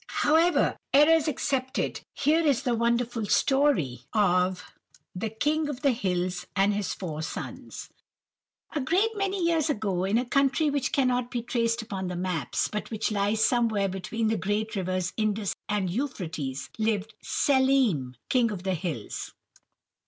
"However, errors excepted, here is the wonderful story of 'The King of the Hills and his Four Sons.' "A great many years ago, in a country which cannot be traced upon the maps, but which lies somewhere between the great rivers Indus and Euphrates, lived Schelim, King of the Hills.